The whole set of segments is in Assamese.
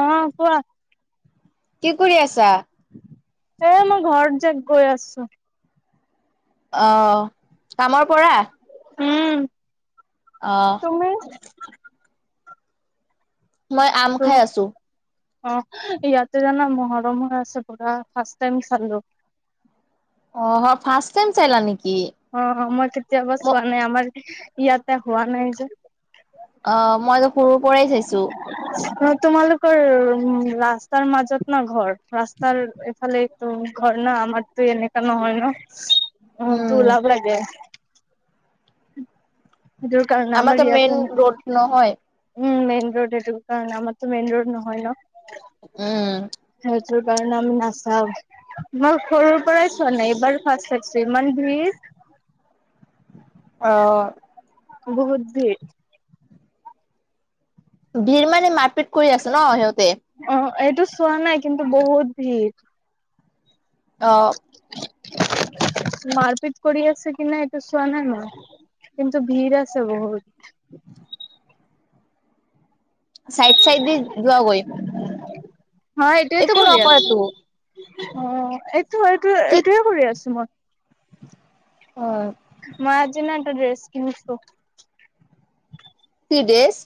আহ কোৱা। কি কৰি আছা। অ মই ঘৰ যে গৈ আছো। অ', কামৰ পৰা। উম, অ', তুমি? মই আম, খাই আছো। অ', ইয়াতে জানা মহৰম হৈ আছে পুৰা ফাৰ্ষ টাইম চালো। অ' ফাৰ্ষষ্ট, টাইম চালা নেকি? অ', মই কেতিয়াবা ম চোৱা নাই আমাৰ ইয়াতে হোৱা নাই যে? অ', মইতো সৰুৰ পৰাই চাইছো। অ', তোমালোকৰ উম, ৰাস্তাৰ মাজত না ঘৰ ৰাস্তাৰ এফালে। তোৰ ঘৰ ন' আমাৰতো এনেকা নহয় ন' অ, তোৰ উম, ওলাব লাগে। ক' ন আমাৰতো ম মেইন আছে ৰোড নহয়। ন। উম' মেইন ৰোড এইটুু কাৰণে আমাৰতো মেইন ৰোড নহয় ন? উম। কাৰণে আমি নাচাওঁ মই সৰুৰ পৰাই চোৱা নাই এইবাৰ ফছো চাইছোঁ ইমান ভিৰ আহ। বহুত ভিৰ ভিৰ মানে মাৰপিত কৰি আছো ন সিহঁতে। অ এইটো চোৱা নাই কিন্তু বহুত ভিৰ অ' মাৰপিট কৰি আছে কি না এইটো চোৱা না নাই কিন্তু ভিৰ আছে বহুত। [inaudible] চাইড চাইড দি যোৱাগৈ। হাঁ এইটোৱেতো একো কৰি আছোঁ। নকৰেতো। অ', এইটো এইটো কি এইটোয়ে কৰি আছোঁ মই। অ', মই আজি না এটো ড্ৰেছ কিনিছো। বিদেশ।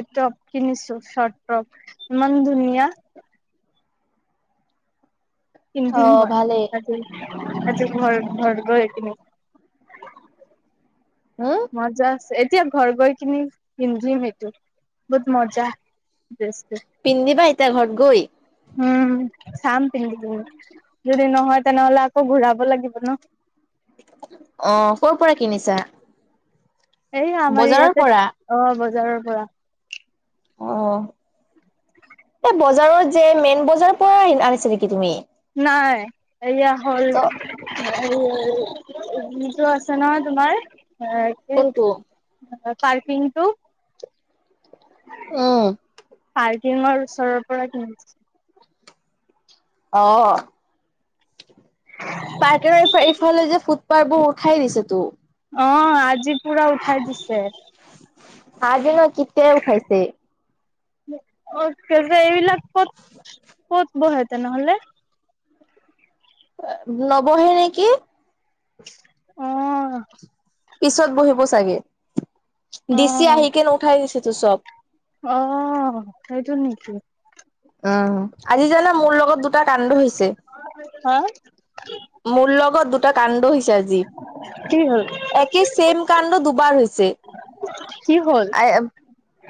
এইটপ কিনিছো শৰ্ট টপ ইমান ধুনীয়া। পিন্ধিম অ', মই ভালেই। আজি। আজি ঘৰ ঘৰ গৈ পিন্ধিম। উম, মজা, আছে এতিয়া ঘৰ গৈ কিনি পিন্ধিম সেইটো বহুত মজা। ড্ৰেছটো পিন্ধিবা এতিয়া ঘৰত গৈ। উম, চাম পিন্ধি কিনি, যদি নহয় তেনেহলে আকৌ ঘূৰাব লাগিব ন। অ', কৰ পৰা কিনিছা? এই আমাৰ বজাৰৰ ইয়াতে পৰা? অ', বজাৰৰ পৰা। অ', এই বজাৰত যে মেইন বজাৰৰ পৰা আনিছা নেকি তুমি? নাই, এয়া হ'ল। আৰু যটো আছে নহয় তোমাৰ? কোনটো? পাৰ্কিংটো। উম, কিমাৰ ওচৰৰ পৰা কিনিছো। অ', পাৰ্কৰ ইফালে যে ফুটপাথ বোৰ উঠাই দিছে তো। অ', আজি পুৰা উঠাই দিছে। আজি নহয় কেতিয়াই উঠাইছে। এইবিলাক কত কত বহে তেনেহ'লে? নবহে নেকি। অ', পিছত বহিব চাগে দিচি অ আহিকে উঠাই দিছেতো চব। অ', সেইটো নেকি? উম, আজি জানা মোৰ লগত দুটা কাণ্ড হৈছে। হা? মূল লগত দুটা কাণ্ড হৈছে আজি, কি হ'ল একেই ছেম কাণ্ড দু বাৰ হৈছে। কি হ'ল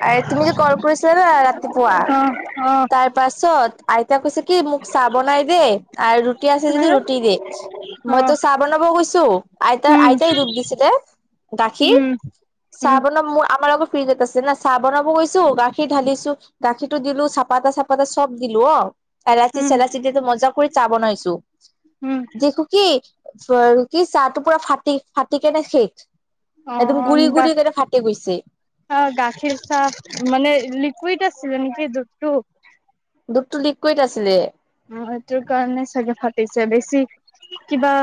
আৰ তুমি যে কল কৰিছিলাঁ ন' ৰাতিপুৱা। অ অ তাৰ পাছত আইতা কৈছে কি মোক চাহ বনাই দে আৰু ৰুটি আছে হে যদি ৰুটি দে অ মইতো চাহ বনাবও গৈছো আইতা উম আইতাই দুধ দিছিলে গাখীৰ উম, চাহ উম বনাব মোৰ আমাৰ আত ফ্ৰিজত আছে না চাহ বনাব গৈছো গাখীৰ ঢালিছো গাখীৰটো দিলো চ চাপাতা চাপাতা চব দিলো অ, এৰাচি উম চৰাচি দিটো মজা কৰি চাহ বনাইছো। উম দেখো কি কি চাহটো পুৰা ফাটি ফাটি কেনে শেষ একদম গুৰি অন্তা গুৰি কেনে ফাটি গৈছে অ', গাখীৰ চাহ মানে লিকুইড আছিলে নেকি দুধটো? দুধটো লিকুইট আছিলে। অ', সেইটোৰ কাৰণে চাগে ফাটিছে বেছি কিবা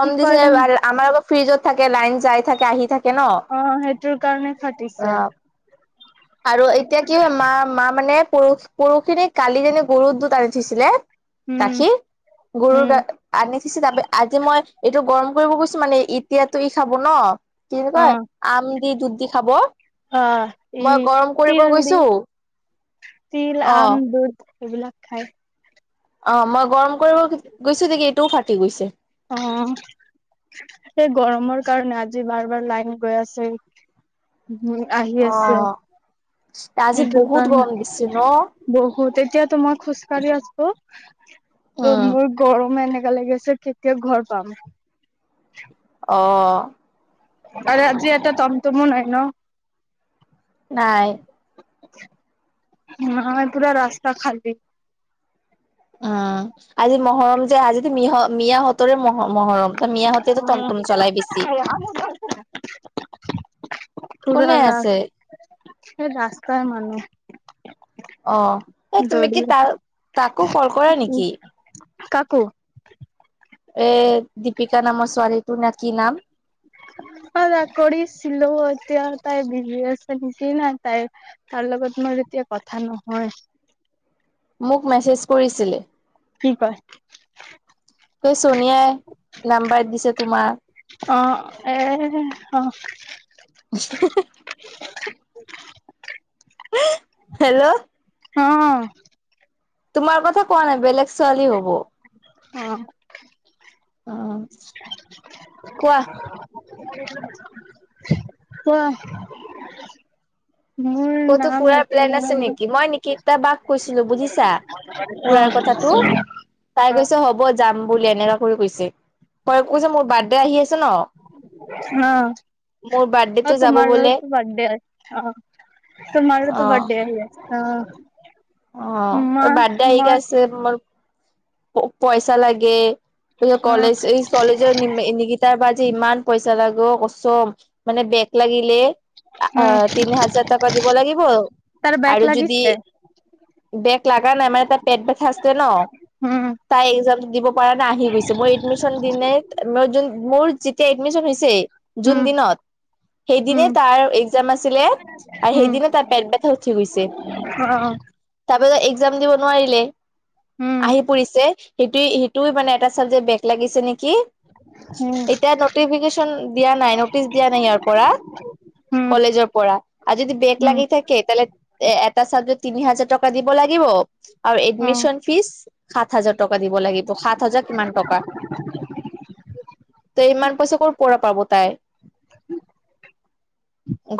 কি কয় দিছে জানো আমাৰ আকৌ ফ্ৰিজত থাকে লাইন যাই থাকে আহি থাকে ন অ', সেইটোৰ কাৰণে অ ফাটিছে। আৰু এতিয়া কি হয় মা মা মানে পৰহি পৰখিনি কালি জানো গৰুৰ দুদ আনি থৈছিলে। উম গাখীৰ গৰুৰ উম গাখ আনি দিছে তাপি আজি মই এইটো গৰম কৰিব গৈছো মানে এতিয়াতো ই খাব ন কি বুলি অ কয়? আম দি দুধ দি খাব। অ ই মই গৰম কৰিব তিল দি গৈছো। তিল অ আম দুধ এইবিলাক খাই অ, মই গৰম কৰিব গৈছো নেকি এইটোও ফাটি গৈছে। অ, সেই গৰমৰ কাৰণে আজি বাৰ বাৰ লাইন গৈ আছে। উম, আহি অ আছে আজি সেইটো বহুত গৰম কাৰণে দিছে ন বহুতে এতিয়া তো মই খোজকাঢ়ি আছো ত উম মোৰ গৰমে এনেকা লাগি আছে কেতিয়া ঘৰ পাম। অঁ, আৰু আজি এটা তমটমো নাই ন, নাই। হ, ম পুৰা ৰাস্তা খালী। উম, আজি মহৰম যে আজি মিহ মিয়াহঁতৰে মহ মহৰম। মিয়া হতেতো টনটন চলাই বেছি কোনে আছে? সেই ৰাস্তাৰ মানুহ অ, এই তুমি দৌৰি কি তাৰ তাকো কল কৰা উ নেকি? কাকো এ, দীপিকা নামৰ ছোৱালীটো নে কি নাম? অ, তাকৰিছিলো এতিয়া তাই বিজি আছে নেকেই নাই তাই তাৰ লগত ম [unintelligible] এতিয়া কথা নহয়। মোক মেছেজ কৰিছিলে। কি কয়? কয়, চনিয়াই নাম্বাৰ দিছে তোমাৰ। অ', এই অহ। [inaudible] [inaudible] হেল্ল'। হম। তোমাৰ কথা কোৱা নাই, বেলেগ ছোৱালী হ'ব। অহ। অহ। অহ। কোৱা? মোৰ নাম ক'তো ফুৰাৰ প্লেন আছে এইটো নেকি মই নিকিতা বাক কৈছিলো মোৰ বুজিছা ফুৰাৰ অ। কথাটো তাই অ', কৈছে, হ'ব যাম বুলি এনেকা কৰি কৈছে। মই [unintelligible] যে মোৰ বাৰ্থডে আহি আছে ন। অ', মোৰ বাৰ্থডেটো অ যাব বোলে তোমাৰো বাৰ্থডে আছে অ। অ তোমাৰোতো বাৰ্থডে আহি আছে অহ। অ', বাৰ্থডে আহি আছে মোৰ, পইচা লাগে। প উম, কলেজ এই কলেজৰ নিগিতাৰ ব যে ইমান পইচা লাগে অ, কচম মানে বেগ লাগি উম, তিনি হাজাৰ টকা দিব লাগিব তাৰ বেগ আৰু যদি লাগিছে বেগ লাগা নাই মানে তাত পেট বথ [unintelligible] ন। উম, তাই দিব পৰা নাই আহি গৈছে, মই এডমিচন দিনাই যেতিয়া এডমিচন হৈছে, জুন উম, দিনত। সেইদিনে উম, তাৰ একজাম আছিলে আৰু উম, সেইদিনে তাৰ পেট বথ উঠি গৈছে। অ', তাৰপিছত একজাম দিব ওলাই আহিলে, উম, আহি পৰিছে সেইটোৱেই, সেইটোৱেই মানে এটা [unintelligible] বেগ লাগিছে নেকি? উম, এতিয়া নটিফিকেশ্যন দিয়া নাই, নটিচ দিয়া নাই ইয়াৰ পৰা। উম, কলেজৰ পৰা আৰু যদি বেগ উম, লাগি থাকে, তেলে এটা চাবজেকত তিনি হাজাৰ টকা দিব লাগিব। আৰু অ', এডমিশন ফিজ সাত হাজাৰ টকা দিব লাগিব, সাত হাজাৰ কিমান টকা। [inaudible] ত' ইমান পইচা কৰ পৰা পাব তাই,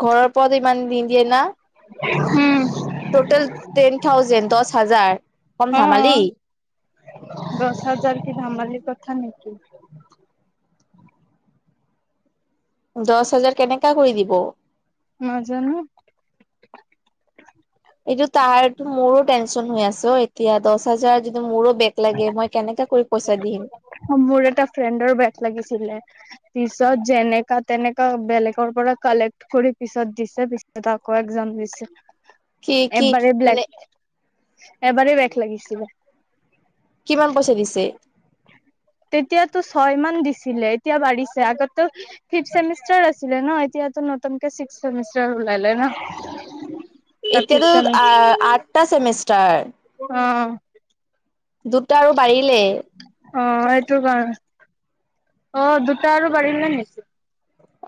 ঘৰৰ পৰাটো ইমান নিদিয়ে না। উম। ট'টেল টেন থাউজেণ্ড দহ হাজাৰ, কম ধামালি। অ', দহ হাজাৰ কি ধেমালিৰ কথা নেকি? দহ হাজাৰ কেনেকা কৰি দিব। নাজানো। এইটো তাহাৰতো মোৰো টেনচন হৈ আছে অ এতিয়া দহ হাজাৰ যদি মোৰো বেগ লাগে, মই কেনেকা কৰি পইচা দিম। মোৰ এটা ফ্ৰেণ্ডৰ বেগ লাগিছিলে, পিছত যেনেকা তেনেকা বেলেগৰ পৰা কালেক্ট কৰি পিছত দিছে পিছত আকৌ একজাম দিছে। কি কি মানে? এবাৰেই বেগ লাগিছিল। কিমান পইচা দিছে? তেতিয়াতো ছয় মান দিছিলে, এতিয়া বাঢ়িছে আগতে ফিফ ছেমিষ্টাৰ আছিলে ন এতিয়া টো নতুনকে ছিক্স ছেমিষ্টাৰ ওলালে নহ। এতিয়াতো আ আঠটা ছেমিষ্টাৰ। অ দুটা আৰু বাঢ়িলেই অ সেইটো কাৰণে অ দুটা আৰু বাঢ়িলে নেকি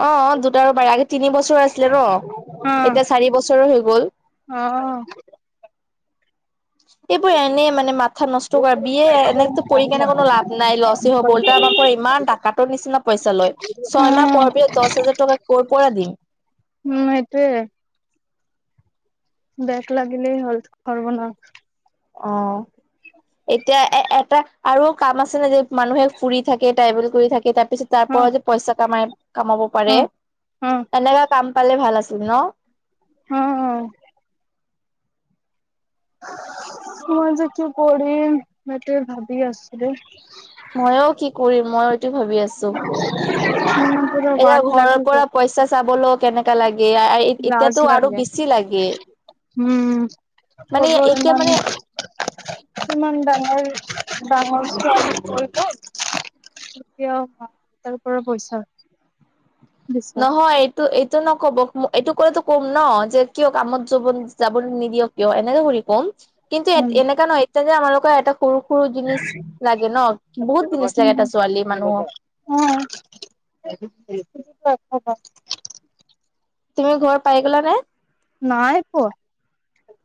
অ অ দুত আৰু বাৰে আগে তিনি বছৰ আছিলে ৰ অ এতিয়া চাৰি বছৰ হৈ গল অ অ এইবোৰ এনেই মানে মাথা নষ্ট কৰা বিয় এনে কে পঢ়ি কোনো লাভ নাই লচ হ বলত আমাৰ পৰা ইমান ডাকটোৰ নিচিনা পইচা লৈ ছয়মাহ পৰ পিছ দহ হাজাৰ টকা ক'ৰ পৰা দিম উম এতুএই বেগ লাগিলে হল খব ন অ এতিয়া এ এটা আৰু কাম আছে নে যে মানুহে ফুৰি থাকে ট্ৰাইভেল কৰি থাকে পিত তাৰ অ পৰা য পইচা কামাই কামাব অ', পাৰে অ', তেনেকা কাম পালে ভাল আছে ছিল ন অ অ মই যেতিয়া কৰি মই তে ভাবি আছো মই কি কৰিম মই এইটো ভাবি আছো মোৰ পুৰা এতিয়া বাট ঘৰৰ লাগি পৰা গ'ল, পইচা চাবলৈও কেনেকা লাগে লাজ এতিয়াতো আৰু লাগে। বেছি লাগে উম মানে কব এতিয়া ইমান মানে ইমান ডাঙৰ [unintelligible] এতিয়া মা দেউতাৰ পৰা পইচা বিচাৰে নহয় এইটো এইটো নকব এইটো কতো কম ন যে কিয় কামত য যাবলৈ নিদিয়ক কিয় এনেকে কৰি ক'ম কিন্তু এ উম। এনেককা নহয় এতিয়া যে আমাৰা লোকৰ এটা সৰু সৰু জিছ লাগে ন বহুত জিনছ লাগে এটা চ উ হব তুমি ঘৰ পাই গ'লা নে নাই পোৱা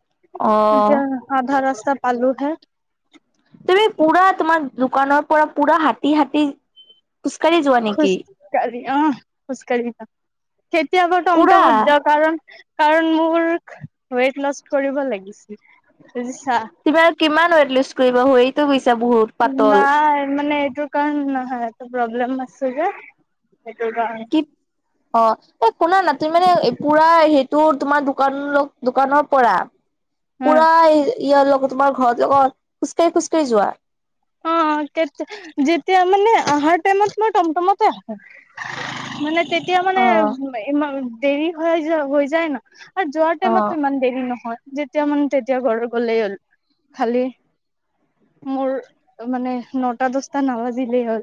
অ', এতিয়া আধা ৰাস্তা চ পালো হে তুমি পুৰা তোমাৰ দোকানৰ পৰা পুৰা হাতী হাতী খোজকাঢ়ি যোৱা নেকি? খুজকাঢালি অ খুচকাঢালি ন কেতিয়াবা পুৰা তমটমত যাওঁ কাৰণ কাৰণ মোৰ ৱেইট লচ কৰিব লাগিছিল বুজিছা তুমি আৰু কিমান ৱেট লিষ্ট কৰিব হতটো নাই মানে এইটোৰ কাৰণ নহয় এ প্ৰব্লেম আছে যে সেইটোৰ কাৰণে কি অ এই শুনা নাতিতি মানে পুৰা সেইটো তোমাৰ দ দোকানৰ পৰা উম প তোমাৰ ঘৰত লগত খোজকাঢ়ি খোজকাঢ়ি যোৱা অ যেতিয়া মানে অহাৰ মই টমটমতে আছো মানে তেতিয়া মানে অ', দেৰি হৈ য হৈ যায় ন আৰু যোৱাৰ অ', টাইমতো ইমান দেৰি নহয় যেতিয়া মানে তেতিয়া ঘৰত গলেই হ'ল খালি মোৰ ত মানে নটা দসটা নাবাজিলেই হ'ল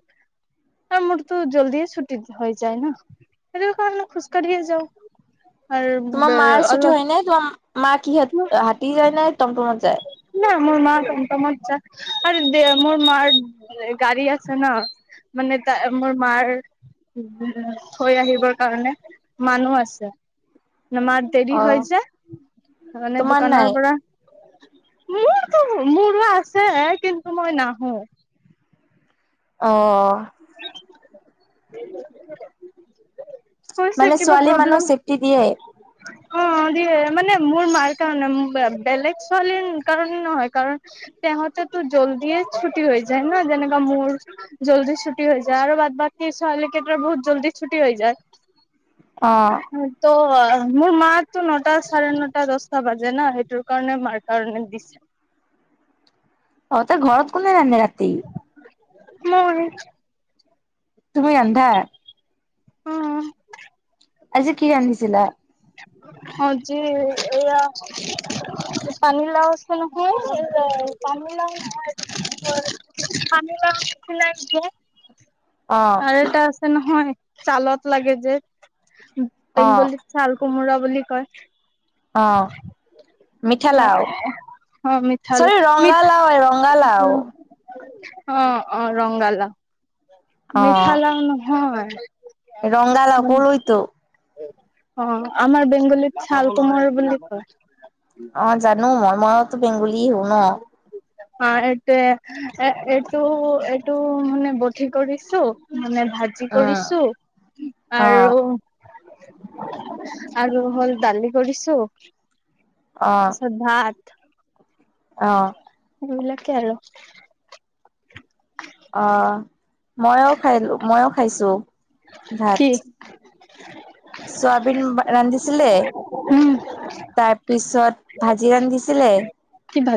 মোৰতো জলদিয়ে ছুট হৈ যায় ন সেইটো কাৰণ খোজকাঢ়িয়ে যও উ তোমাৰ মাৰ ছুটি হয় নাই তোমাৰ মা কি হাতী যায় নাই টমটমত যায় না মোৰ মাৰ তমটম যাই আৰু দে মোৰ মাৰ গাড়ী আছে ন মানে তাৰ মোৰ মাৰ উ থৈ আহিবৰ কাৰণে মানুহ আছে উ মাৰ দেৰি হৈ য মানে তোমাৰ নাই দোকানৰ পৰা মোৰো মোৰো আছে কিন্তু মই নাহো অ [unintelligible] কৈছে মানে কিবা ছোৱালী প্ৰব্লেম মানুহ চেফটি দিয়ে অ দিয় মানে মোৰ মাৰ কাৰণে বেলেগ ছোৱালীৰ কাৰণে নহয় কাৰণ তেহতেতো জলদিয় ছুটি হৈ যায় ন যেনেকা মোৰ জলদি ছুটি হৈ যায় আৰু বাদ বাক ছোৱালী কেইটাৰ বহুত জলদি ছুটি হৈ যায় অ', অ মোৰ মাতো নটা চাৰে নটা দচটা বাজে ন সেইটোৰ কাৰণে মাৰ কাৰণে দিছে অ তাৰ ঘৰত কোনে ৰান্ধে ৰাতি মই তুমি ৰন্ধা? উম আজি কি ৰান্ধিছিলা আজি এয়া পানিলা আছে নহয় পানীলাও নহয় আমি বা খোলাই যে অ', আৰু এটা আছে নহয় চালত লাগে যে অ', বেংগলী চাল কোমোৰা বুলি কয় অ মিঠালাও অ মিঠা ল চৰি ম ৰঙালাও ৰঙালাও অ অ ৰঙলাও মিঠা লাও নহয় ৰংগালা মানে ক'লঐতো [unintelligible] অ আমাৰ বেংগলীৰত চাল কুমাৰ বুলি কয় অ জানো মময়তো বেংগুলী হও ন অ এইটোৱে এ এইটো এইটো মানে বঠি কৰিছো মানে ভাজি উম, কৰিছো অ', আৰু খালোঁ হল দালি কৰিছো অ', শ্ৰদ্ধা অ নিকল [unintelligible] অ মই খাই মইও খাইছো ভাত কি চোৱাবিন ৰান্ধিছিলে উম তাৰ পিছত ভাজি ৰান্ধিছিলে কি ভাত